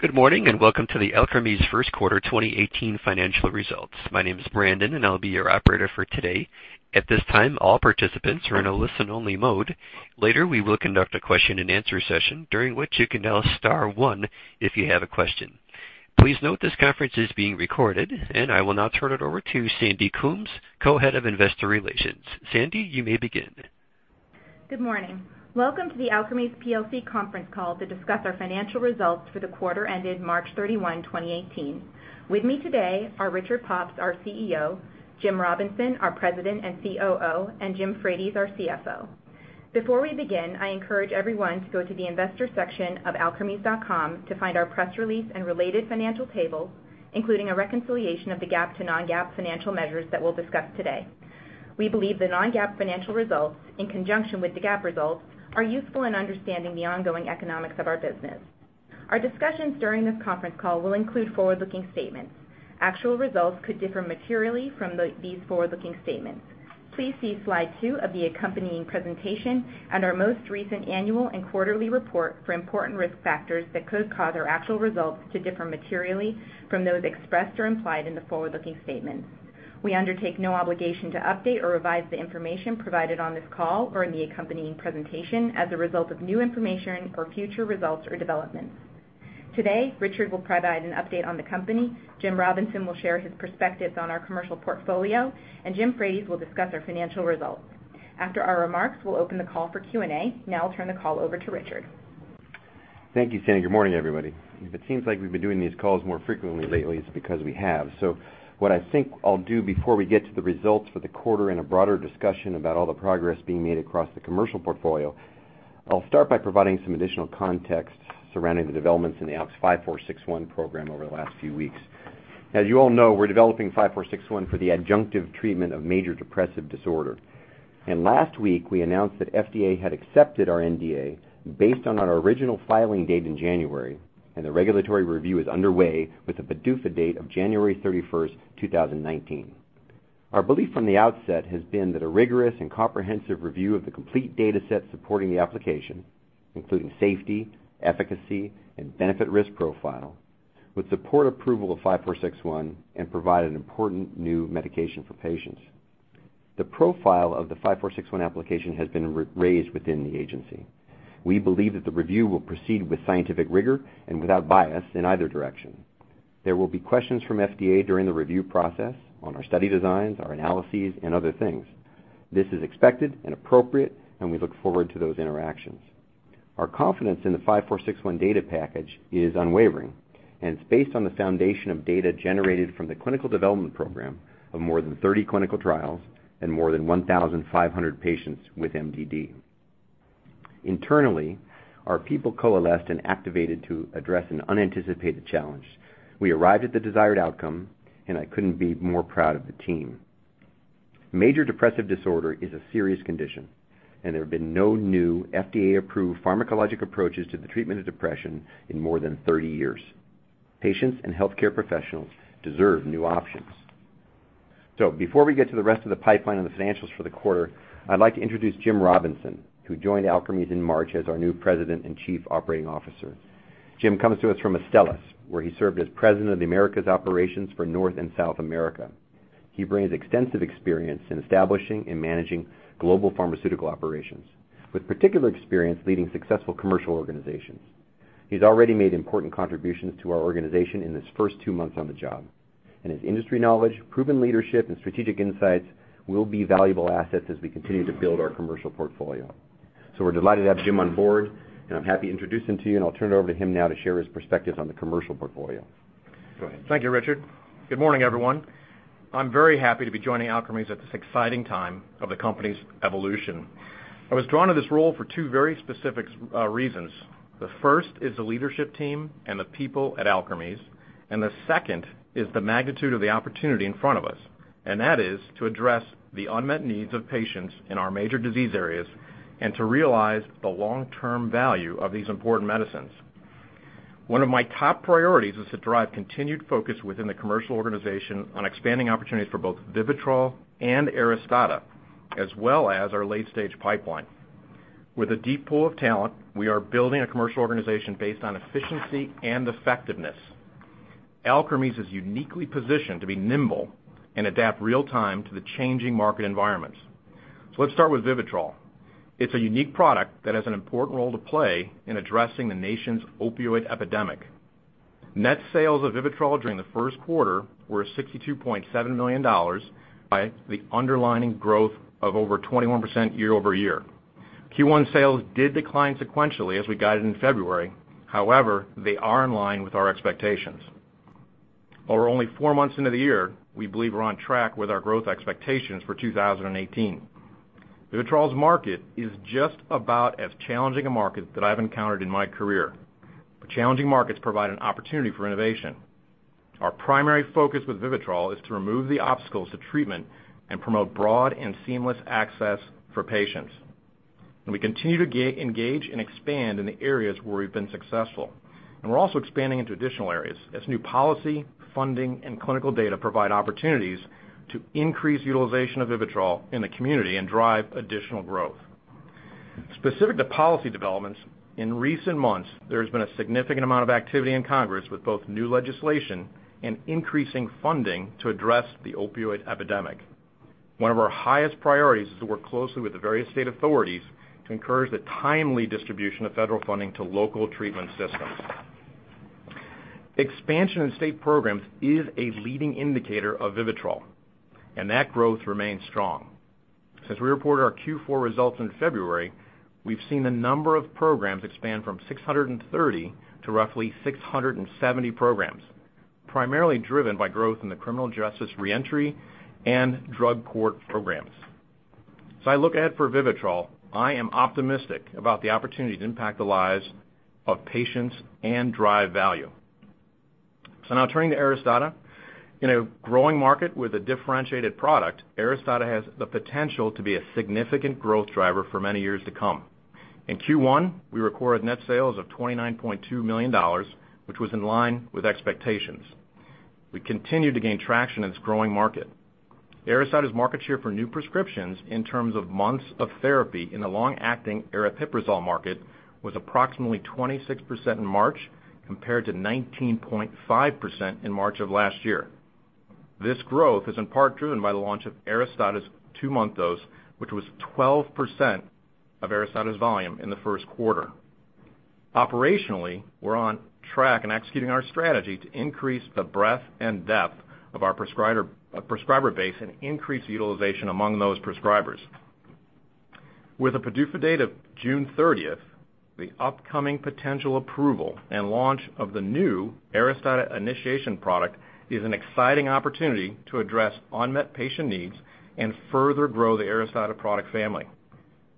Good morning, welcome to the Alkermes first quarter 2018 financial results. My name is Brandon, I'll be your operator for today. At this time, all participants are in a listen-only mode. Later, we will conduct a question and answer session, during which you can dial star one if you have a question. Please note this conference is being recorded, I will now turn it over to Sandy Coombs, Co-Head of Investor Relations. Sandy, you may begin. Good morning. Welcome to the Alkermes plc conference call to discuss our financial results for the quarter ended March 31, 2018. With me today are Richard Pops, our CEO, James Robinson, our President and COO, James Frates, our CFO. Before we begin, I encourage everyone to go to the investor section of alkermes.com to find our press release and related financial tables, including a reconciliation of the GAAP to non-GAAP financial measures that we'll discuss today. We believe the non-GAAP financial results, in conjunction with the GAAP results, are useful in understanding the ongoing economics of our business. Our discussions during this conference call will include forward-looking statements. Actual results could differ materially from these forward-looking statements. Please see slide two of the accompanying presentation and our most recent annual and quarterly report for important risk factors that could cause our actual results to differ materially from those expressed or implied in the forward-looking statements. We undertake no obligation to update or revise the information provided on this call or in the accompanying presentation as a result of new information or future results or developments. Today, Richard will provide an update on the company, James Robinson will share his perspectives on our commercial portfolio, James Frates will discuss our financial results. After our remarks, we'll open the call for Q&A. Now I'll turn the call over to Richard. Thank you, Sandy. Good morning, everybody. If it seems like we've been doing these calls more frequently lately, it's because we have. What I think I'll do before we get to the results for the quarter and a broader discussion about all the progress being made across the commercial portfolio, I'll start by providing some additional context surrounding the developments in the ALKS 5461 program over the last few weeks. As you all know, we're developing 5461 for the adjunctive treatment of major depressive disorder. Last week, we announced that FDA had accepted our NDA based on our original filing date in January, the regulatory review is underway with a PDUFA date of January 31st, 2019. Our belief from the outset has been that a rigorous and comprehensive review of the complete data set supporting the application, including safety, efficacy, and benefit risk profile, would support approval of 5461 and provide an important new medication for patients. The profile of the 5461 application has been raised within the agency. We believe that the review will proceed with scientific rigor and without bias in either direction. There will be questions from FDA during the review process on our study designs, our analyses, and other things. This is expected and appropriate, and we look forward to those interactions. Our confidence in the 5461 data package is unwavering, and it's based on the foundation of data generated from the clinical development program of more than 30 clinical trials and more than 1,500 patients with MDD. Internally, our people coalesced and activated to address an unanticipated challenge. We arrived at the desired outcome, and I couldn't be more proud of the team. Major depressive disorder is a serious condition, and there have been no new FDA-approved pharmacologic approaches to the treatment of depression in more than 30 years. Patients and healthcare professionals deserve new options. Before we get to the rest of the pipeline and the financials for the quarter, I'd like to introduce James Robinson, who joined Alkermes in March as our new President and Chief Operating Officer. Jim comes to us from Astellas, where he served as President of the Americas operations for North and South America. He brings extensive experience in establishing and managing global pharmaceutical operations, with particular experience leading successful commercial organizations. He's already made important contributions to our organization in his first two months on the job, and his industry knowledge, proven leadership, and strategic insights will be valuable assets as we continue to build our commercial portfolio. We're delighted to have Jim on board, and I'm happy to introduce him to you, and I'll turn it over to him now to share his perspectives on the commercial portfolio. Go ahead. Thank you, Richard. Good morning, everyone. I'm very happy to be joining Alkermes at this exciting time of the company's evolution. I was drawn to this role for two very specific reasons. The first is the leadership team and the people at Alkermes, and the second is the magnitude of the opportunity in front of us, and that is to address the unmet needs of patients in our major disease areas and to realize the long-term value of these important medicines. One of my top priorities is to drive continued focus within the commercial organization on expanding opportunities for both VIVITROL and ARISTADA, as well as our late-stage pipeline. With a deep pool of talent, we are building a commercial organization based on efficiency and effectiveness. Alkermes is uniquely positioned to be nimble and adapt real time to the changing market environments. Let's start with VIVITROL. It's a unique product that has an important role to play in addressing the nation's opioid epidemic. Net sales of VIVITROL during the first quarter were $62.7 million by the underlying growth of over 21% year-over-year. Q1 sales did decline sequentially as we guided in February. They are in line with our expectations. While we're only four months into the year, we believe we're on track with our growth expectations for 2018. VIVITROL's market is just about as challenging a market that I've encountered in my career. Challenging markets provide an opportunity for innovation. Our primary focus with VIVITROL is to remove the obstacles to treatment and promote broad and seamless access for patients. We continue to engage and expand in the areas where we've been successful. We're also expanding into additional areas as new policy, funding, and clinical data provide opportunities to increase utilization of VIVITROL in the community and drive additional growth. Specific to policy developments, in recent months, there has been a significant amount of activity in Congress with both new legislation and increasing funding to address the opioid epidemic. One of our highest priorities is to work closely with the various state authorities to encourage the timely distribution of federal funding to local treatment systems. Expansion in state programs is a leading indicator of VIVITROL, and that growth remains strong. Since we reported our Q4 results in February, we've seen the number of programs expand from 630 to roughly 670 programs, primarily driven by growth in the Criminal Justice Re-entry and Drug Court Programs. As I look ahead for VIVITROL, I am optimistic about the opportunity to impact the lives of patients and drive value. Now turning to ARISTADA. In a growing market with a differentiated product, ARISTADA has the potential to be a significant growth driver for many years to come. In Q1, we recorded net sales of $29.2 million, which was in line with expectations. We continue to gain traction in this growing market. ARISTADA's market share for new prescriptions in terms of months of therapy in the long-acting aripiprazole market was approximately 26% in March compared to 19.5% in March of last year. This growth is in part driven by the launch of ARISTADA's two-month dose, which was 12% of ARISTADA's volume in the first quarter. Operationally, we're on track in executing our strategy to increase the breadth and depth of our prescriber base and increase utilization among those prescribers. With a PDUFA date of June 30th, the upcoming potential approval and launch of the new ARISTADA initiation product is an exciting opportunity to address unmet patient needs and further grow the ARISTADA product family.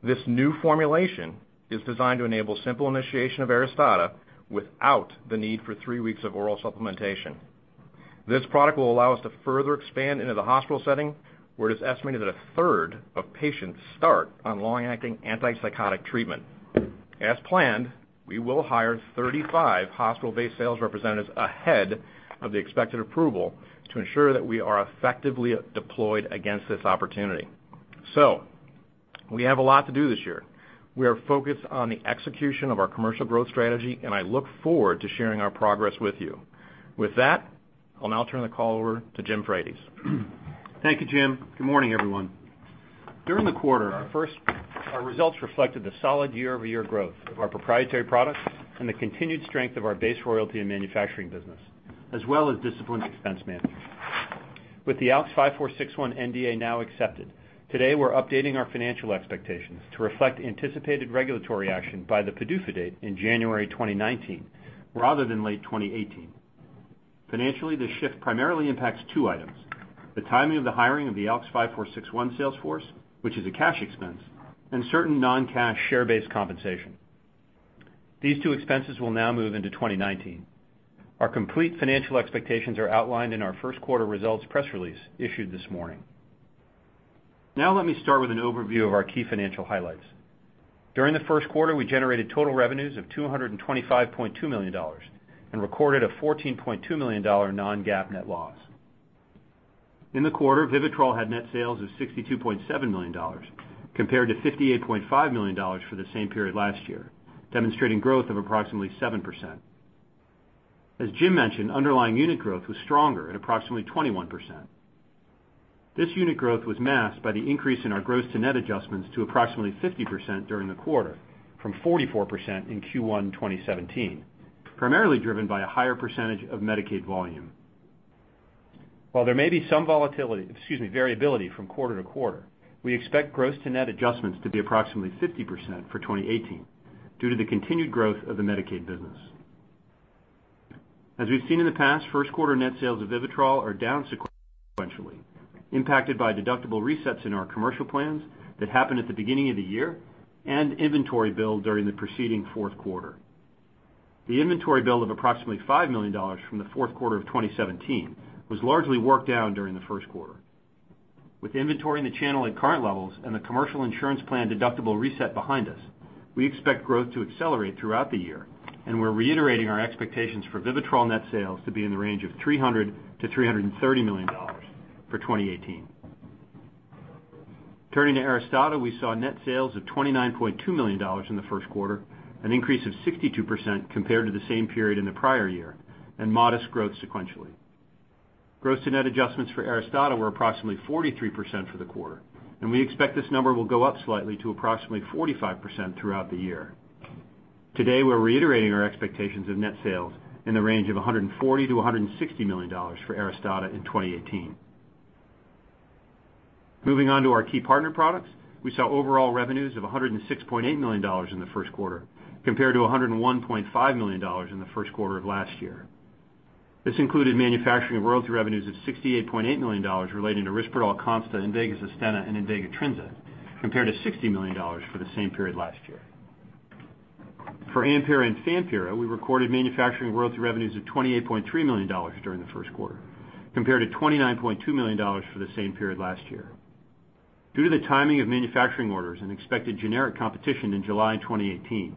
This new formulation is designed to enable simple initiation of ARISTADA without the need for three weeks of oral supplementation. This product will allow us to further expand into the hospital setting, where it is estimated that a third of patients start on long-acting antipsychotic treatment. As planned, we will hire 35 hospital-based sales representatives ahead of the expected approval to ensure that we are effectively deployed against this opportunity. We have a lot to do this year. We are focused on the execution of our commercial growth strategy, and I look forward to sharing our progress with you. With that, I'll now turn the call over to Jim Frates. Thank you, Jim. Good morning, everyone. During the quarter first, our results reflected the solid year-over-year growth of our proprietary products and the continued strength of our base royalty and manufacturing business, as well as disciplined expense management. With the ALKS 5461 NDA now accepted, today we're updating our financial expectations to reflect anticipated regulatory action by the PDUFA date in January 2019, rather than late 2018. Financially, this shift primarily impacts two items: the timing of the hiring of the ALKS 5461 sales force, which is a cash expense, and certain non-cash share-based compensation. These two expenses will now move into 2019. Our complete financial expectations are outlined in our first quarter results press release issued this morning. Let me start with an overview of our key financial highlights. During the first quarter, we generated total revenues of $225.2 million and recorded a $14.2 million non-GAAP net loss. In the quarter, VIVITROL had net sales of $62.7 million compared to $58.5 million for the same period last year, demonstrating growth of approximately 7%. As Jim mentioned, underlying unit growth was stronger at approximately 21%. This unit growth was masked by the increase in our gross-to-net adjustments to approximately 50% during the quarter from 44% in Q1 2017, primarily driven by a higher percentage of Medicaid volume. While there may be some variability from quarter to quarter, we expect gross-to-net adjustments to be approximately 50% for 2018 due to the continued growth of the Medicaid business. As we've seen in the past, first quarter net sales of VIVITROL are down sequentially, impacted by deductible resets in our commercial plans that happen at the beginning of the year and inventory build during the preceding fourth quarter. The inventory build of approximately $5 million from the fourth quarter of 2017 was largely worked down during the first quarter. With inventory in the channel at current levels and the commercial insurance plan deductible reset behind us, we expect growth to accelerate throughout the year, and we're reiterating our expectations for VIVITROL net sales to be in the range of $300 million-$330 million for 2018. Turning to ARISTADA, we saw net sales of $29.2 million in the first quarter, an increase of 62% compared to the same period in the prior year, and modest growth sequentially. Gross-to-net adjustments for ARISTADA were approximately 43% for the quarter, and we expect this number will go up slightly to approximately 45% throughout the year. Today, we're reiterating our expectations of net sales in the range of $140 million-$160 million for ARISTADA in 2018. Moving on to our key partner products, we saw overall revenues of $106.8 million in the first quarter, compared to $101.5 million in the first quarter of last year. This included manufacturing royalty revenues of $68.8 million relating to RISPERDAL CONSTA, INVEGA SUSTENNA, and INVEGA TRINZA, compared to $60 million for the same period last year. For AMPYRA and Fampyra, we recorded manufacturing royalty revenues of $28.3 million during the first quarter, compared to $29.2 million for the same period last year. Due to the timing of manufacturing orders and expected generic competition in July 2018,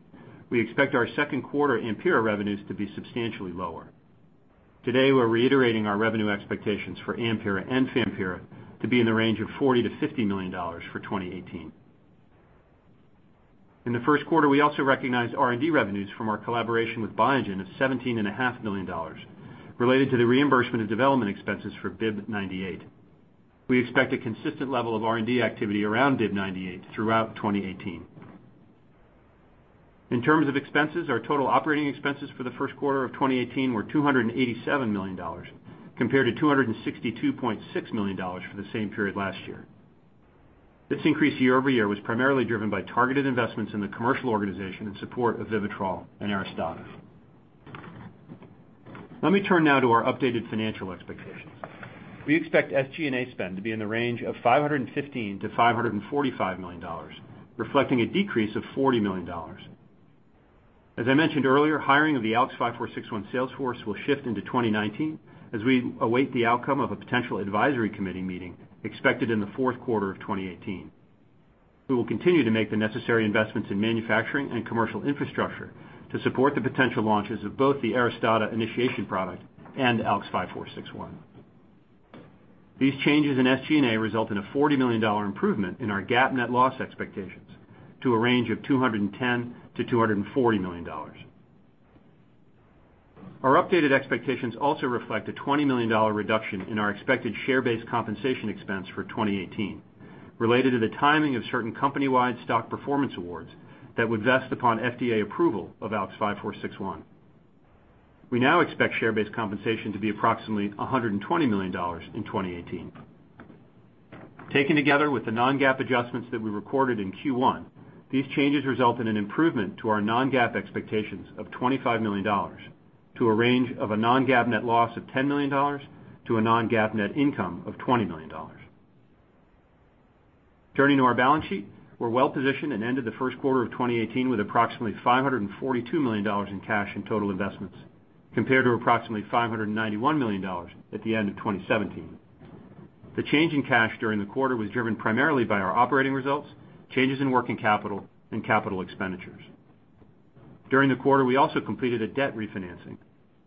we expect our second quarter AMPYRA revenues to be substantially lower. Today, we're reiterating our revenue expectations for AMPYRA and Fampyra to be in the range of $40 million-$50 million for 2018. In the first quarter, we also recognized R&D revenues from our collaboration with Biogen of $17.5 million related to the reimbursement of development expenses for BIIB098. We expect a consistent level of R&D activity around BIIB098 throughout 2018. In terms of expenses, our total operating expenses for the first quarter of 2018 were $287 million compared to $262.6 million for the same period last year. This increase year-over-year was primarily driven by targeted investments in the commercial organization in support of VIVITROL and ARISTADA. Let me turn now to our updated financial expectations. We expect SG&A spend to be in the range of $515 million-$545 million, reflecting a decrease of $40 million. As I mentioned earlier, hiring of the ALKS 5461 sales force will shift into 2019 as we await the outcome of a potential Advisory Committee meeting expected in the fourth quarter of 2018. We will continue to make the necessary investments in manufacturing and commercial infrastructure to support the potential launches of both the ARISTADA initiation product and ALKS 5461. These changes in SG&A result in a $40 million improvement in our GAAP net loss expectations to a range of $210 million-$240 million. Our updated expectations also reflect a $20 million reduction in our expected share-based compensation expense for 2018, related to the timing of certain company-wide stock performance awards that would vest upon FDA approval of ALKS 5461. We now expect share-based compensation to be approximately $120 million in 2018. Taken together with the non-GAAP adjustments that we recorded in Q1, these changes result in an improvement to our non-GAAP expectations of $25 million to a range of a non-GAAP net loss of $10 million to a non-GAAP net income of $20 million. Turning to our balance sheet, we're well-positioned and ended the first quarter of 2018 with approximately $542 million in cash and total investments, compared to approximately $591 million at the end of 2017. The change in cash during the quarter was driven primarily by our operating results, changes in working capital, and capital expenditures. During the quarter, we also completed a debt refinancing,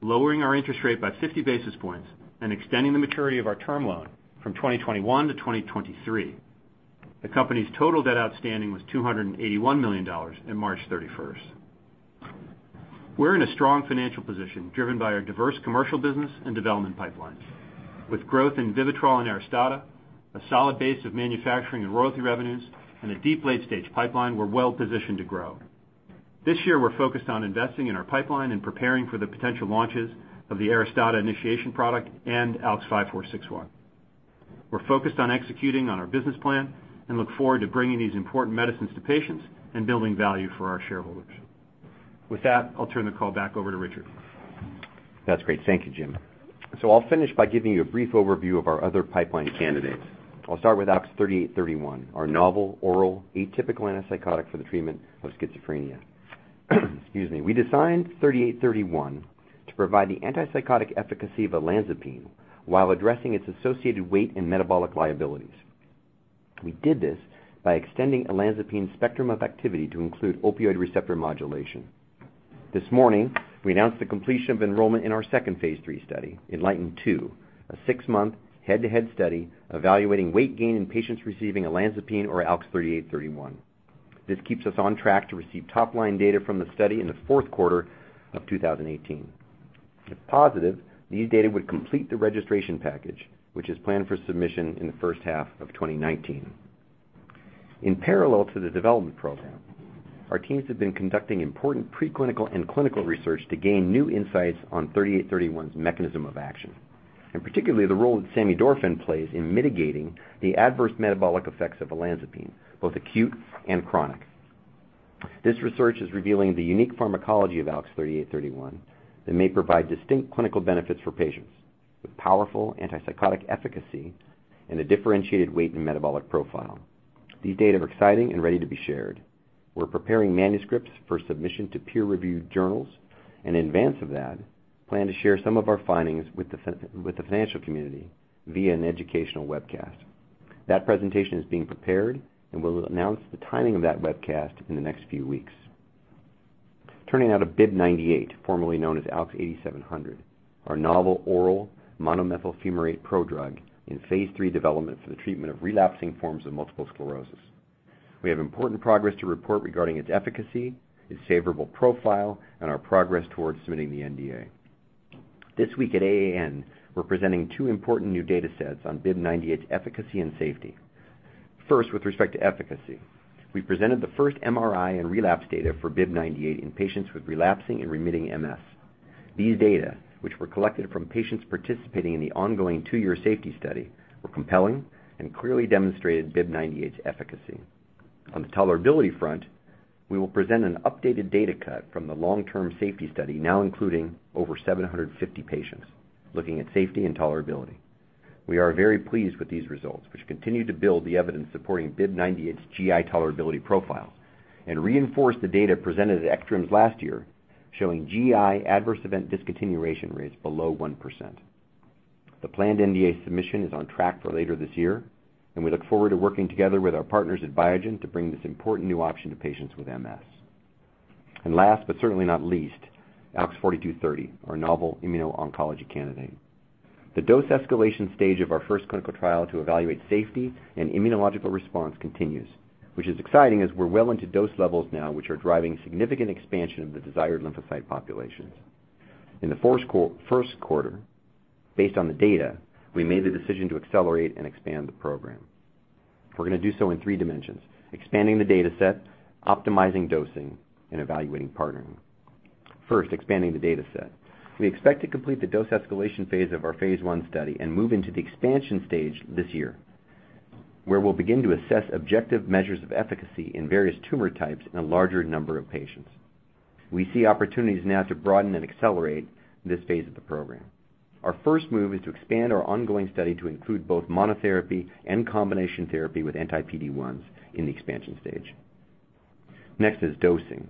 lowering our interest rate by 50 basis points and extending the maturity of our term loan from 2021 to 2023. The company's total debt outstanding was $281 million in March 31. We're in a strong financial position driven by our diverse commercial business and development pipelines. With growth in VIVITROL and ARISTADA, a solid base of manufacturing and royalty revenues, and a deep late-stage pipeline, we're well-positioned to grow. This year, we're focused on investing in our pipeline and preparing for the potential launches of the ARISTADA initiation product and ALKS 5461. We're focused on executing on our business plan and look forward to bringing these important medicines to patients and building value for our shareholders. With that, I'll turn the call back over to Richard. That's great. Thank you, Jim. I'll finish by giving you a brief overview of our other pipeline candidates. I'll start with ALKS 3831, our novel oral atypical antipsychotic for the treatment of schizophrenia. Excuse me. We designed 3831 to provide the antipsychotic efficacy of olanzapine while addressing its associated weight and metabolic liabilities. We did this by extending olanzapine's spectrum of activity to include opioid receptor modulation. This morning, we announced the completion of enrollment in our second phase III study, ENLIGHTEN-2, a six-month head-to-head study evaluating weight gain in patients receiving olanzapine or ALKS 3831. This keeps us on track to receive top-line data from the study in the fourth quarter of 2018. If positive, these data would complete the registration package, which is planned for submission in the first half of 2019. In parallel to the development program, our teams have been conducting important preclinical and clinical research to gain new insights on 3831's mechanism of action, and particularly the role that samidorphan plays in mitigating the adverse metabolic effects of olanzapine, both acute and chronic. This research is revealing the unique pharmacology of ALKS 3831 that may provide distinct clinical benefits for patients with powerful antipsychotic efficacy and a differentiated weight and metabolic profile. These data are exciting and ready to be shared. We're preparing manuscripts for submission to peer-reviewed journals, and in advance of that, plan to share some of our findings with the financial community via an educational webcast. That presentation is being prepared, and we'll announce the timing of that webcast in the next few weeks. Turning now to BIIB098, formerly known as ALKS 8700, our novel oral monomethyl fumarate prodrug in phase III development for the treatment of relapsing forms of multiple sclerosis. We have important progress to report regarding its efficacy, its favorable profile, and our progress towards submitting the NDA. This week at AAN, we're presenting two important new data sets on BIIB098's efficacy and safety. First, with respect to efficacy, we presented the first MRI and relapse data for BIIB098 in patients with relapsing and remitting MS. These data, which were collected from patients participating in the ongoing two-year safety study, were compelling and clearly demonstrated BIIB098's efficacy. On the tolerability front, we will present an updated data cut from the long-term safety study now including over 750 patients looking at safety and tolerability. We are very pleased with these results, which continue to build the evidence supporting BIIB098's GI tolerability profile and reinforce the data presented at ECTRIMS last year showing GI adverse event discontinuation rates below 1%. The planned NDA submission is on track for later this year, and we look forward to working together with our partners at Biogen to bring this important new option to patients with MS. Last, but certainly not least, ALKS 4230, our novel immuno-oncology candidate. The dose escalation stage of our first clinical trial to evaluate safety and immunological response continues, which is exciting as we're well into dose levels now, which are driving significant expansion of the desired lymphocyte populations. In the first quarter, based on the data, we made the decision to accelerate and expand the program. We're going to do so in three dimensions: expanding the data set, optimizing dosing, and evaluating partnering. First, expanding the data set. We expect to complete the dose escalation phase of our phase I study and move into the expansion stage this year, where we'll begin to assess objective measures of efficacy in various tumor types in a larger number of patients. We see opportunities now to broaden and accelerate this phase of the program. Our first move is to expand our ongoing study to include both monotherapy and combination therapy with anti-PD-1s in the expansion stage. Next is dosing.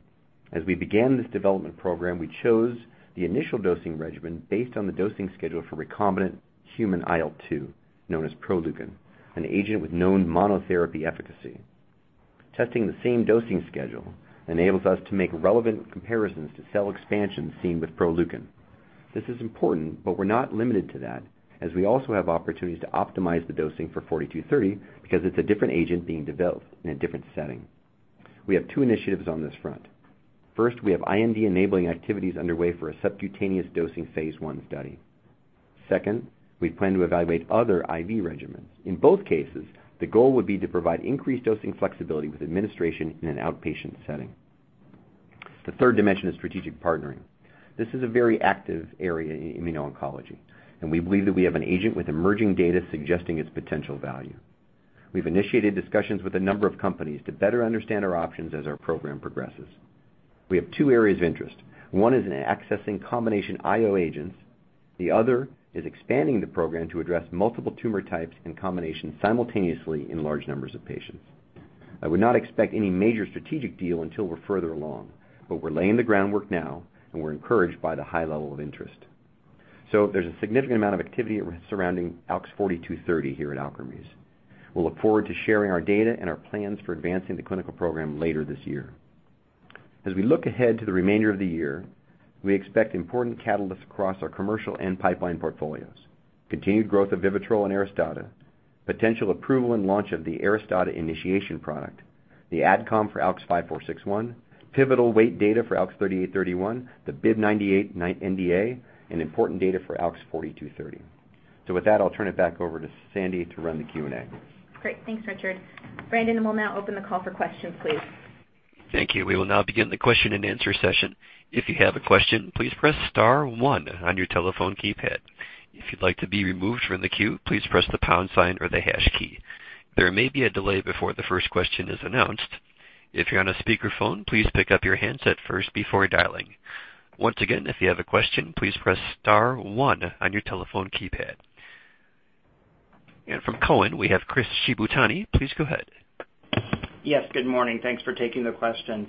As we began this development program, we chose the initial dosing regimen based on the dosing schedule for recombinant human IL-2, known as Proleukin, an agent with known monotherapy efficacy. Testing the same dosing schedule enables us to make relevant comparisons to cell expansions seen with Proleukin. This is important, but we're not limited to that, as we also have opportunities to optimize the dosing for 4230 because it's a different agent being developed in a different setting. We have two initiatives on this front. First, we have IND-enabling activities underway for a subcutaneous dosing phase I study. Second, we plan to evaluate other IV regimens. In both cases, the goal would be to provide increased dosing flexibility with administration in an outpatient setting. The third dimension is strategic partnering. This is a very active area in immuno-oncology, and we believe that we have an agent with emerging data suggesting its potential value. We've initiated discussions with a number of companies to better understand our options as our program progresses. We have two areas of interest. One is in accessing combination IO agents. The other is expanding the program to address multiple tumor types in combination simultaneously in large numbers of patients. I would not expect any major strategic deal until we're further along, but we're laying the groundwork now, and we're encouraged by the high level of interest. There's a significant amount of activity surrounding ALKS 4230 here at Alkermes. We'll look forward to sharing our data and our plans for advancing the clinical program later this year. As we look ahead to the remainder of the year, we expect important catalysts across our commercial and pipeline portfolios. Continued growth of VIVITROL and ARISTADA, potential approval and launch of the ARISTADA initiation product, the AdCom for ALKS 5461, pivotal weight data for ALKS 3831, the BIIB098 NDA, and important data for ALKS 4230. With that, I'll turn it back over to Sandy to run the Q&A. Great. Thanks, Richard. Brandon, we will now open the call for questions, please. Thank you. We will now begin the question and answer session. If you have a question, please press *1 on your telephone keypad. If you would like to be removed from the queue, please press the pound sign or the hash key. There may be a delay before the first question is announced. If you are on a speakerphone, please pick up your handset first before dialing. Once again, if you have a question, please press *1 on your telephone keypad. From Cowen, we have Chris Shibutani. Please go ahead. Yes, good morning. Thanks for taking the question.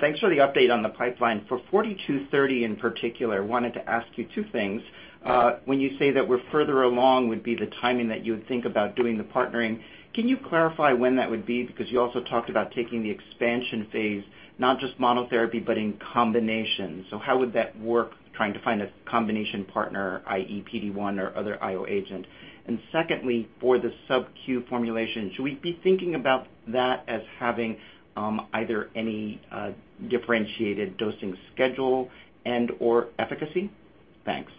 Thanks for the update on the pipeline. For 4230 in particular, I wanted to ask you two things. When you say that we are further along would be the timing that you would think about doing the partnering, can you clarify when that would be? Because you also talked about taking the expansion phase, not just monotherapy, but in combination. How would that work, trying to find a combination partner, i.e., PD-1 or other IO agent? Secondly, for the sub-Q formulation, should we be thinking about that as having either any differentiated dosing schedule and/or efficacy? Thanks.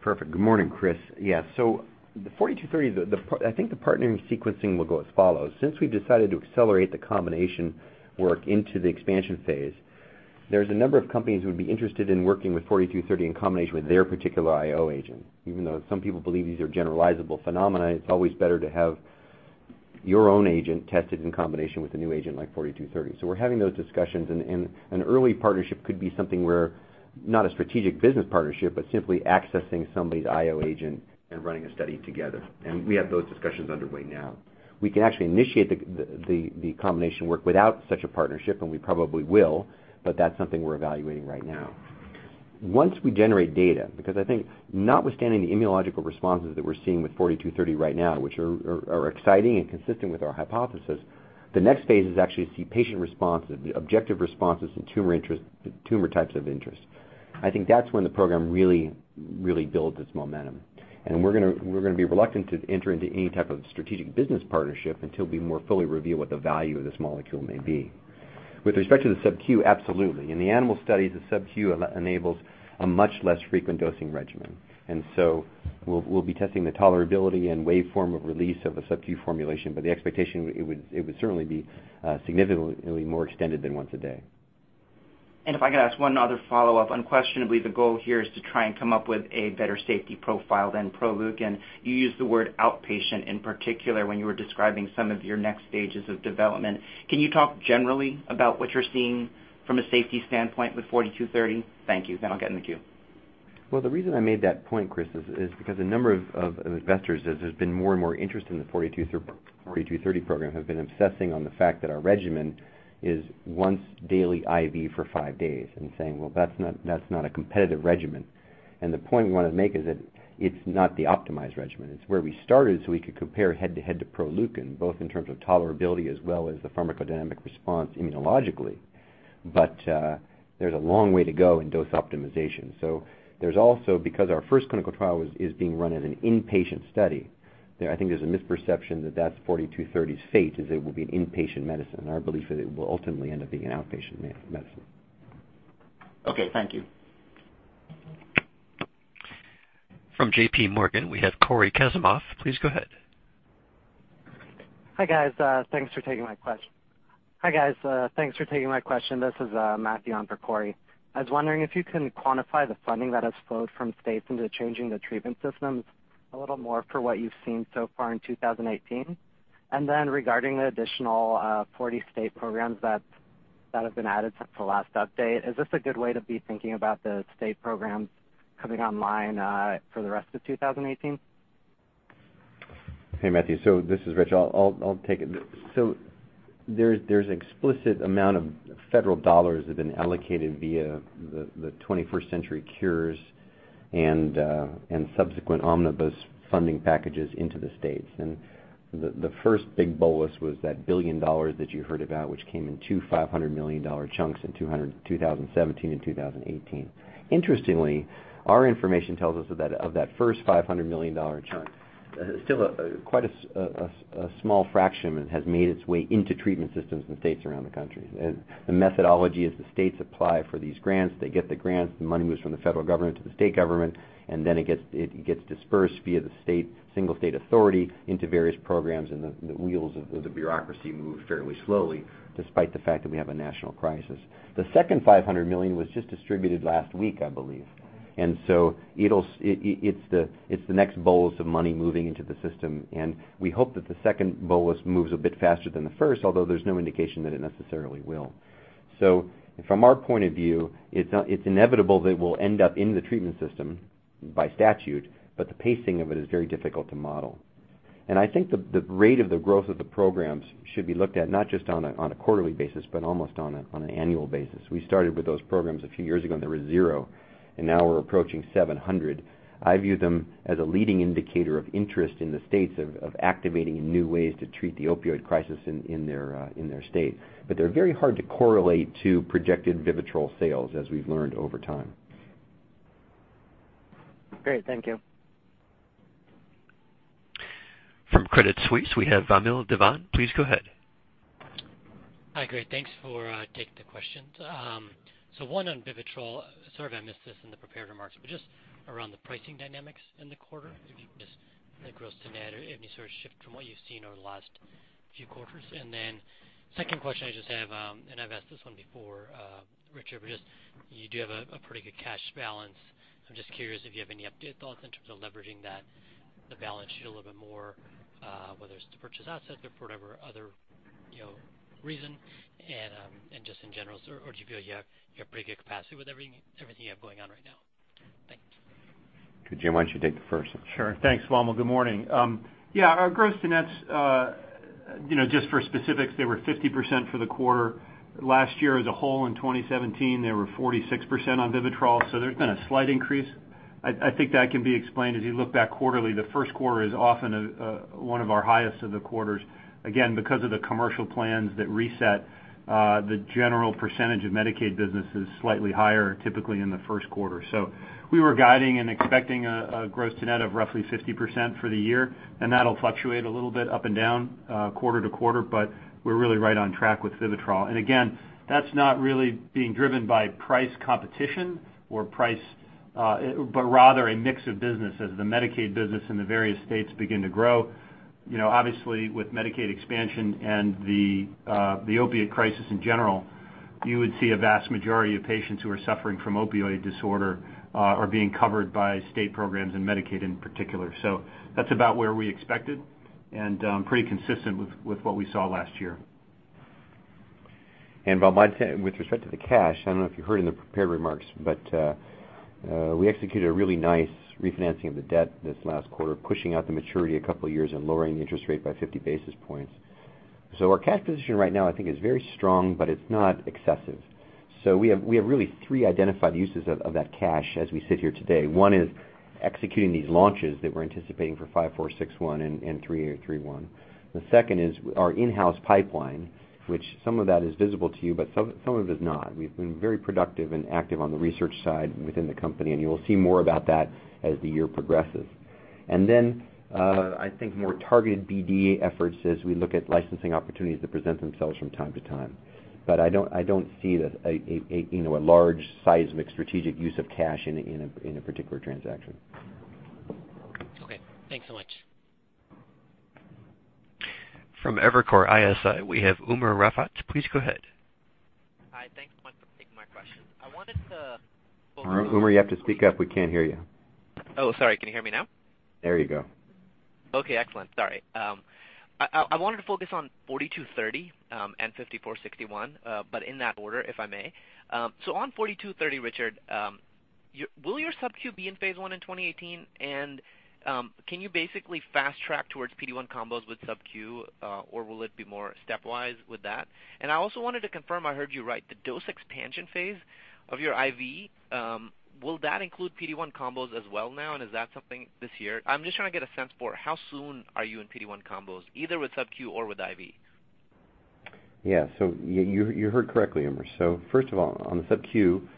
Perfect. Good morning, Chris. Yeah. 4230, I think the partnering sequencing will go as follows. Since we have decided to accelerate the combination work into the expansion phase, there is a number of companies who would be interested in working with 4230 in combination with their particular IO agent. Even though some people believe these are generalizable phenomena, it is always better to have your own agent tested in combination with a new agent like 4230. We are having those discussions, an early partnership could be something where not a strategic business partnership, but simply accessing somebody's IO agent and running a study together. We have those discussions underway now. We can actually initiate the combination work without such a partnership, and we probably will, but that is something we are evaluating right now. Once we generate data, because I think notwithstanding the immunological responses that we're seeing with 4230 right now, which are exciting and consistent with our hypothesis, the next phase is actually to see patient responses, objective responses in tumor types of interest. I think that's when the program really builds its momentum. We're going to be reluctant to enter into any type of strategic business partnership until we more fully reveal what the value of this molecule may be. With respect to the sub-Q, absolutely. In the animal studies, the sub-Q enables a much less frequent dosing regimen, and so we'll be testing the tolerability and waveform of release of a sub-Q formulation, but the expectation, it would certainly be significantly more extended than once a day. If I could ask one other follow-up. Unquestionably, the goal here is to try and come up with a better safety profile than Proleukin. You used the word outpatient in particular when you were describing some of your next stages of development. Can you talk generally about what you're seeing from a safety standpoint with 4230? Thank you. I'll get in the queue. Well, the reason I made that point, Chris, is because a number of investors, as there's been more and more interest in the 4230 program, have been obsessing on the fact that our regimen is once daily IV for five days and saying, "Well, that's not a competitive regimen." The point we want to make is that it's not the optimized regimen. It's where we started so we could compare head to head to Proleukin, both in terms of tolerability as well as the pharmacodynamic response immunologically. There's a long way to go in dose optimization. There's also, because our first clinical trial is being run as an inpatient study, I think there's a misperception that that's 4230's fate, is it will be an inpatient medicine. Our belief is it will ultimately end up being an outpatient medicine. Okay. Thank you. From JPMorgan, we have Cory Kasimov. Please go ahead. Hi, guys. Thanks for taking my question. This is Matthew on for Cory. I was wondering if you can quantify the funding that has flowed from states into changing the treatment systems a little more for what you've seen so far in 2018. Regarding the additional 40 state programs that have been added since the last update, is this a good way to be thinking about the state programs coming online for the rest of 2018? Hey, Matthew. This is Rich. I'll take it. There's an explicit amount of federal dollars that have been allocated via the 21st Century Cures and subsequent omnibus funding packages into the states. The first big bolus was that $1 billion that you heard about, which came in two $500 million chunks in 2017 and 2018. Interestingly, our information tells us that of that first $500 million chunk, still quite a small fraction has made its way into treatment systems in states around the country. The methodology is the states apply for these grants. They get the grants, the money moves from the federal government to the state government, then it gets dispersed via the single state authority into various programs, the wheels of the bureaucracy move fairly slowly, despite the fact that we have a national crisis. The second $500 million was just distributed last week, I believe. It's the next bolus of money moving into the system, and we hope that the second bolus moves a bit faster than the first, although there's no indication that it necessarily will. From our point of view, it's inevitable that it will end up in the treatment system by statute, but the pacing of it is very difficult to model. I think the rate of the growth of the programs should be looked at not just on a quarterly basis, but almost on an annual basis. We started with those programs a few years ago, and there were zero, and now we're approaching 700. I view them as a leading indicator of interest in the states of activating new ways to treat the opioid crisis in their state. They're very hard to correlate to projected VIVITROL sales, as we've learned over time. Great. Thank you. From Credit Suisse, we have Vamil Divan. Please go ahead. Hi. Great. Thanks for taking the questions. One on VIVITROL. Sorry if I missed this in the prepared remarks, but just around the pricing dynamics in the quarter, if you could just, gross to net, any sort of shift from what you've seen over the last few quarters. Second question I just have, and I've asked this one before, Richard, but just you do have a pretty good cash balance. I'm just curious if you have any update thoughts in terms of leveraging that, the balance sheet a little bit more, whether it's to purchase assets or for whatever other reason, and just in general or do you feel like you have pretty good capacity with everything you have going on right now? Thanks. Jim, why don't you take the first one? Sure. Thanks, Vamil. Good morning. Yeah, our gross to nets, just for specifics, they were 50% for the quarter. Last year as a whole in 2017, they were 46% on VIVITROL, so there's been a slight increase. I think that can be explained as you look back quarterly, the first quarter is often one of our highest of the quarters, again, because of the commercial plans that reset the general percentage of Medicaid business is slightly higher, typically in the first quarter. We were guiding and expecting a gross to net of roughly 50% for the year, and that'll fluctuate a little bit up and down quarter to quarter, but we're really right on track with VIVITROL. Again, that's not really being driven by price competition, but rather a mix of business as the Medicaid business in the various states begin to grow. Obviously, with Medicaid expansion and the opiate crisis in general, you would see a vast majority of patients who are suffering from opioid disorder are being covered by state programs and Medicaid in particular. That's about where we expected and pretty consistent with what we saw last year. Vamil, with respect to the cash, I don't know if you heard in the prepared remarks, but we executed a really nice refinancing of the debt this last quarter, pushing out the maturity a couple of years and lowering the interest rate by 50 basis points. Our cash position right now I think is very strong, but it's not excessive. We have really three identified uses of that cash as we sit here today. One is executing these launches that we're anticipating for ALKS 5461 and ALKS 3831. The second is our in-house pipeline, which some of that is visible to you, but some of it is not. We've been very productive and active on the research side within the company, and you will see more about that as the year progresses. I think more targeted BD efforts as we look at licensing opportunities that present themselves from time to time. I don't see a large seismic strategic use of cash in a particular transaction. Okay. Thanks so much. From Evercore ISI, we have Umer Raffat. Please go ahead. Hi. Thanks so much for taking my questions. Umer, you have to speak up. We can't hear you. Oh, sorry. Can you hear me now? There you go. Okay, excellent. Sorry. I wanted to focus on 4230 and 5461, in that order, if I may. On 4230, Richard, will your sub Q be in phase I in 2018? Can you basically fast track towards PD-1 combos with sub Q, or will it be more stepwise with that? I also wanted to confirm I heard you right, the dose expansion phase of your IV, will that include PD-1 combos as well now, and is that something this year? I'm just trying to get a sense for how soon are you in PD-1 combos, either with sub Q or with IV. Yeah. You heard correctly, Umer. First of all, on the sub Q,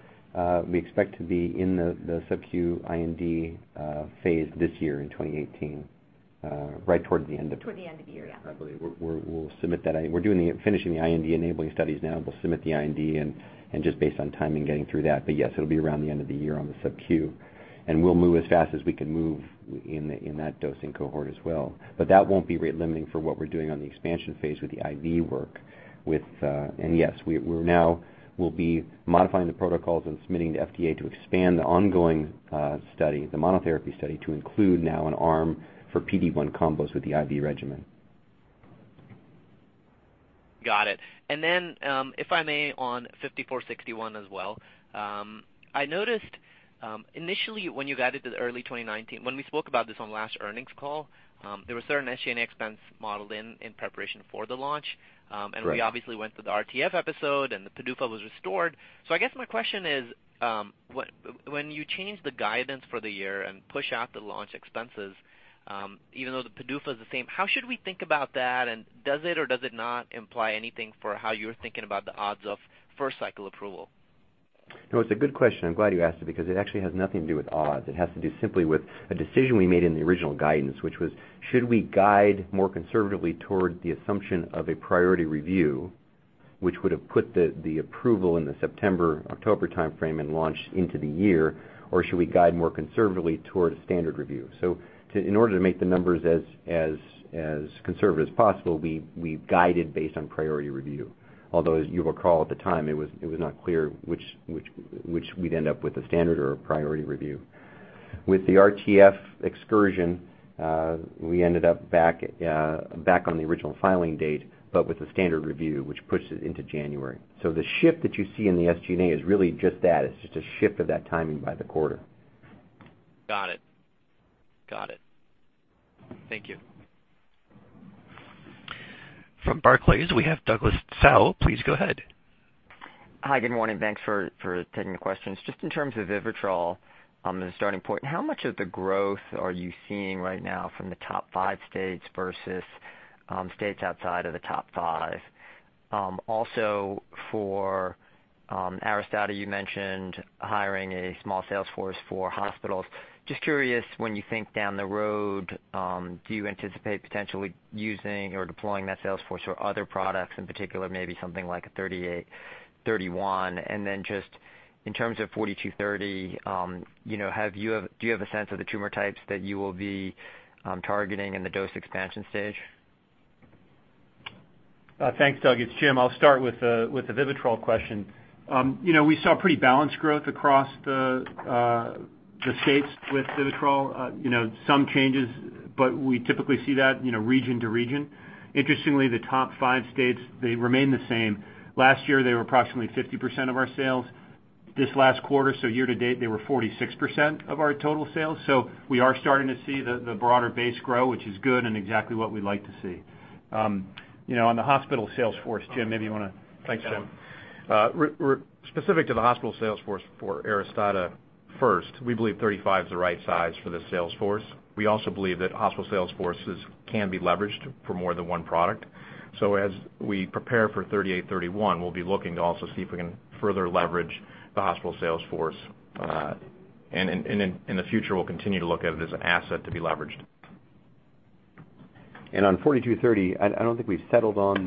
we expect to be in the sub Q IND phase this year in 2018, right towards the end of- Toward the end of the year, yeah. I believe. We're finishing the IND-enabling studies now, we'll submit the IND and just based on timing getting through that. Yes, it'll be around the end of the year on the sub Q. We'll move as fast as we can move in that dosing cohort as well. That won't be rate limiting for what we're doing on the expansion phase with the IV work. Yes, we now will be modifying the protocols and submitting to FDA to expand the ongoing study, the monotherapy study, to include now an arm for PD-1 combos with the IV regimen. Got it. Then, if I may, on 5461 as well. I noticed initially when you guided to the early 2019, when we spoke about this on last earnings call, there was certain SG&A expense modeled in in preparation for the launch. Right. We obviously went through the RTF episode, and the PDUFA was restored. I guess my question is, when you change the guidance for the year and push out the launch expenses, even though the PDUFA is the same, how should we think about that, and does it or does it not imply anything for how you're thinking about the odds of first cycle approval? No, it's a good question. I'm glad you asked it because it actually has nothing to do with odds. It has to do simply with a decision we made in the original guidance, which was, should we guide more conservatively toward the assumption of a priority review, which would've put the approval in the September-October timeframe and launch into the year, or should we guide more conservatively toward a standard review? In order to make the numbers as conservative as possible, we guided based on priority review. Although, as you'll recall at the time, it was not clear which we'd end up with, a standard or a priority review. With the RTF excursion, we ended up back on the original filing date, but with the standard review, which pushes into January. The shift that you see in the SG&A is really just that. It's just a shift of that timing by the quarter. Got it. Thank you. From Barclays, we have Douglas Tsao. Please go ahead. Hi. Good morning. Thanks for taking the questions. Just in terms of VIVITROL, as a starting point, how much of the growth are you seeing right now from the top five states versus states outside of the top five? Also, for ARISTADA, you mentioned hiring a small sales force for hospitals. Just curious, when you think down the road, do you anticipate potentially using or deploying that sales force for other products, in particular, maybe something like a 3831? Just in terms of 4230, do you have a sense of the tumor types that you will be targeting in the dose expansion stage? Thanks, Doug. It's Jim. I'll start with the VIVITROL question. We saw pretty balanced growth across the states with VIVITROL. Some changes, but we typically see that region to region. Interestingly, the top five states remain the same. Last year, they were approximately 50% of our sales. This last quarter, so year to date, they were 46% of our total sales. We are starting to see the broader base grow, which is good and exactly what we'd like to see. On the hospital sales force, Jim, maybe you want to- Thanks, Jim. Specific to the hospital sales force for ARISTADA first, we believe 35 is the right size for the sales force. We also believe that hospital sales forces can be leveraged for more than one product. As we prepare for 3831, we'll be looking to also see if we can further leverage the hospital sales force. In the future, we'll continue to look at it as an asset to be leveraged. On 4230, I don't think we've settled on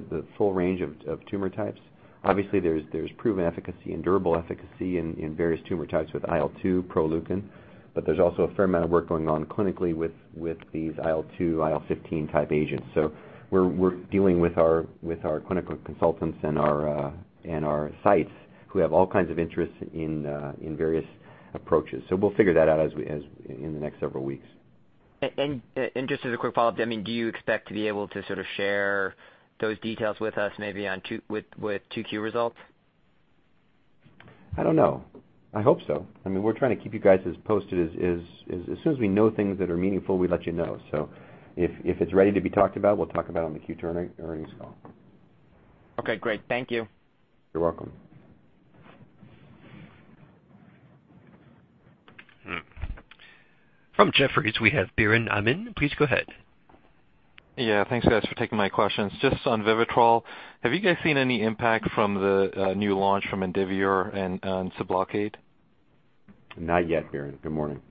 the full range of tumor types. Obviously, there's proven efficacy and durable efficacy in various tumor types with IL-2 Proleukin, but there's also a fair amount of work going on clinically with these IL-2, IL-15 type agents. We're dealing with our clinical consultants and our sites who have all kinds of interests in various approaches. We'll figure that out in the next several weeks. Just as a quick follow-up, do you expect to be able to sort of share those details with us maybe with 2Q results? I don't know. I hope so. We're trying to keep you guys as posted. As soon as we know things that are meaningful, we let you know. If it's ready to be talked about, we'll talk about it on the Q2 earnings call. Okay, great. Thank you. You're welcome. From Jefferies, we have Biren Amin. Please go ahead. Yeah. Thanks, guys, for taking my questions. Just on VIVITROL, have you guys seen any impact from the new launch from Indivior and SUBLOCADE? Not yet, Biren. Good morning.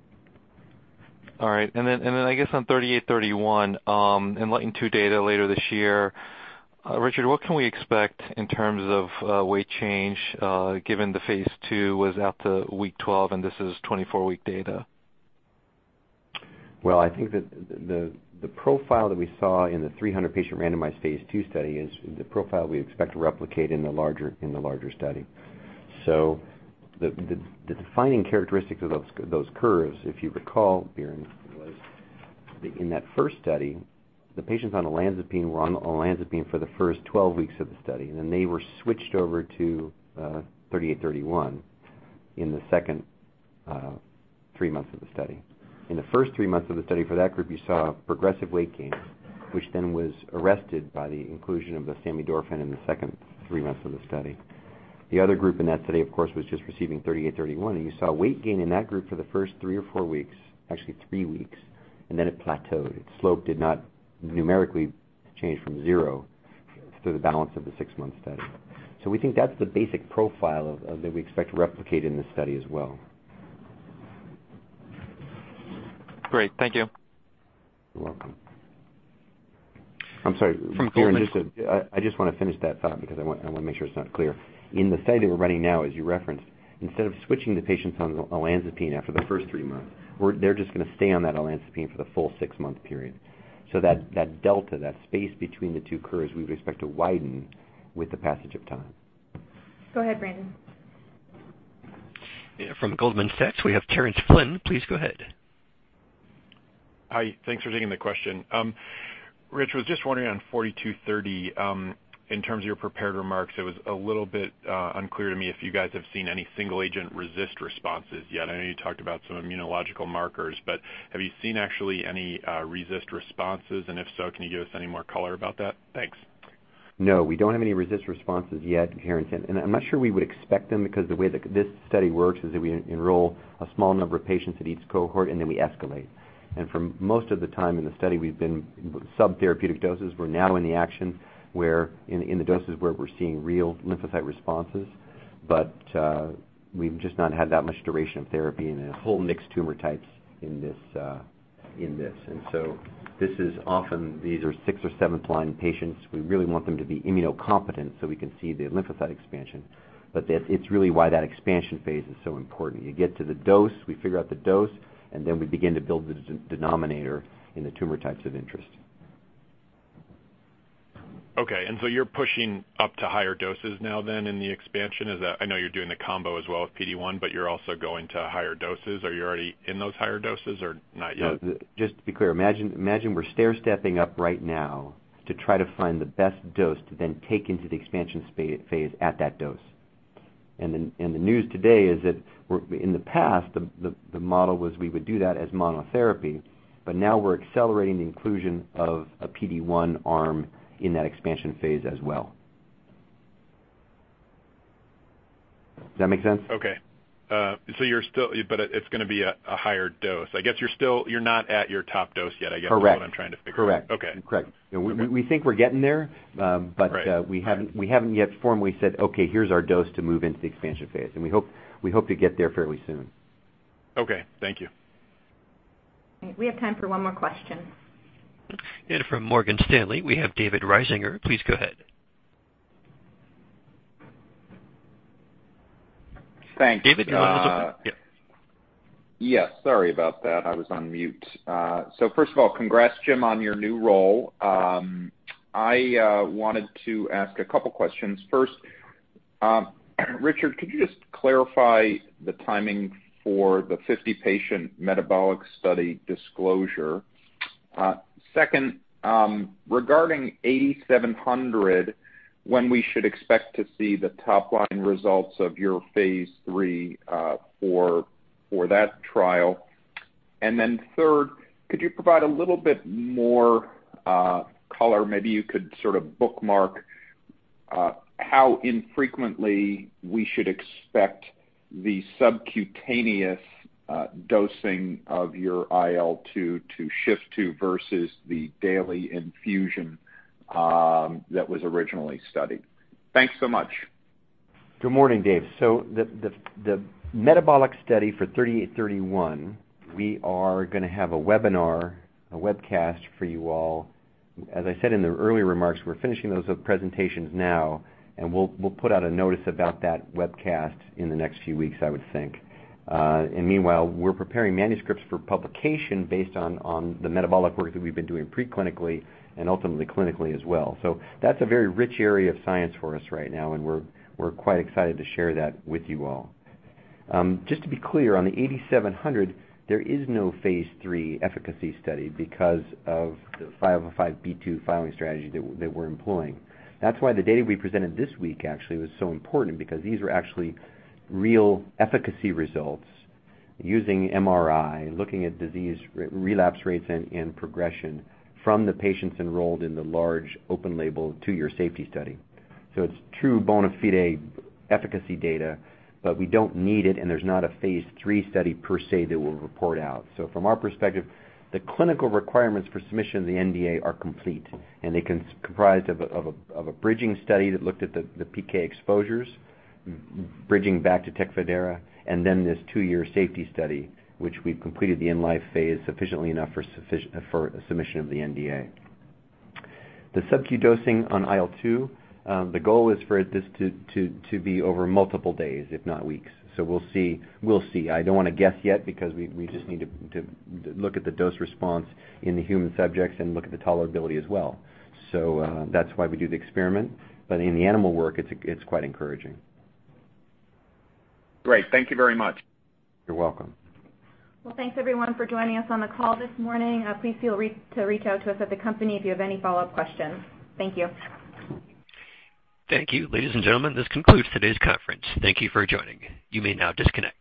All right. I guess on 3831, ENLIGHTEN-2 data later this year. Richard, what can we expect in terms of weight change, given the phase II was out to week 12, and this is 24-week data? I think that the profile that we saw in the 300-patient randomized phase II study is the profile we expect to replicate in the larger study. The defining characteristic of those curves, if you recall, Biren, was that in that first study, the patients on olanzapine were on olanzapine for the first 12 weeks of the study, and then they were switched over to 3831 in the second three months of the study. In the first three months of the study for that group, you saw progressive weight gain, which then was arrested by the inclusion of the samidorphan in the second three months of the study. The other group in that study, of course, was just receiving 3831, and you saw weight gain in that group for the first three or four weeks, actually three weeks, and then it plateaued. Its slope did not numerically change from zero through the balance of the six-month study. We think that's the basic profile that we expect to replicate in this study as well. Great. Thank you. You're welcome. I'm sorry. From Goldman Sachs. Biren, I just want to finish that thought because I want to make sure it's not clear. In the study that we're running now, as you referenced, instead of switching the patients on olanzapine after the first three months, they're just going to stay on that olanzapine for the full six-month period. That delta, that space between the two curves, we expect to widen with the passage of time. Go ahead, Brandon. From Goldman Sachs, we have Terence Flynn. Please go ahead. Hi. Thanks for taking the question. Rich, was just wondering on 4230, in terms of your prepared remarks, it was a little bit unclear to me if you guys have seen any single agent RECIST responses yet. I know you talked about some immunological markers, but have you seen actually any RECIST responses? If so, can you give us any more color about that? Thanks. No, we don't have any RECIST responses yet, Terence. I'm not sure we would expect them because the way that this study works is that we enroll a small number of patients at each cohort, then we escalate. For most of the time in the study, we've been subtherapeutic doses. We're now in the action where in the doses where we're seeing real lymphocyte responses. We've just not had that much duration of therapy and a whole mixed tumor types in this. This is often, these are sixth or seventh-line patients. We really want them to be immunocompetent so we can see the lymphocyte expansion. It's really why that expansion phase is so important. You get to the dose, we figure out the dose, then we begin to build the denominator in the tumor types of interest. Okay, you're pushing up to higher doses now then in the expansion? I know you're doing the combo as well with PD-1, you're also going to higher doses. Are you already in those higher doses or not yet? No. Just to be clear, imagine we're stair stepping up right now to try to find the best dose to then take into the expansion phase at that dose. The news today is that in the past, the model was we would do that as monotherapy, now we're accelerating the inclusion of a PD-1 arm in that expansion phase as well. Does that make sense? Okay. It's going to be a higher dose. I guess you're not at your top dose yet, I guess is what I'm trying to figure out. Correct. Okay. Correct. We think we're getting there. Right. We haven't yet formally said, "Okay, here's our dose to move into the expansion phase." We hope to get there fairly soon. Okay. Thank you. We have time for one more question. From Morgan Stanley, we have David Risinger. Please go ahead. Thanks. David, your line is open. Yep. Yes, sorry about that. I was on mute. First of all, congrats, Jim, on your new role. I wanted to ask a couple questions. First, Richard, could you just clarify the timing for the 50-patient metabolic study disclosure? Second, regarding ALKS 8700, when we should expect to see the top line results of your phase III for that trial. Third, could you provide a little bit more color? Maybe you could sort of bookmark how infrequently we should expect the subcutaneous dosing of your IL-2 to shift to versus the daily infusion that was originally studied. Thanks so much. Good morning, Dave. The metabolic study for 3831, we are gonna have a webinar, a webcast for you all. As I said in the earlier remarks, we're finishing those presentations now, we'll put out a notice about that webcast in the next few weeks, I would think. Meanwhile, we're preparing manuscripts for publication based on the metabolic work that we've been doing pre-clinically and ultimately clinically as well. That's a very rich area of science for us right now, and we're quite excited to share that with you all. Just to be clear, on the 8700, there is no phase III efficacy study because of the 505(b)(2) filing strategy that we're employing. That's why the data we presented this week actually was so important because these were actually real efficacy results using MRI, looking at disease relapse rates and progression from the patients enrolled in the large open label two-year safety study. It's true bona fide efficacy data, but we don't need it, and there's not a phase III study per se that we'll report out. From our perspective, the clinical requirements for submission of the NDA are complete, and they comprised of a bridging study that looked at the PK exposures, bridging back to TECFIDERA, and then this two-year safety study, which we've completed the in-life phase sufficiently enough for submission of the NDA. The subcu dosing on IL-2, the goal is for this to be over multiple days, if not weeks. We'll see. I don't wanna guess yet because we just need to look at the dose response in the human subjects and look at the tolerability as well. That's why we do the experiment. In the animal work, it's quite encouraging. Great. Thank you very much. You're welcome. Well, thanks everyone for joining us on the call this morning. Please feel free to reach out to us at the company if you have any follow-up questions. Thank you. Thank you. Ladies and gentlemen, this concludes today's conference. Thank you for joining. You may now disconnect.